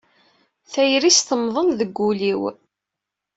Tayri-s temḍel deg wul-iw.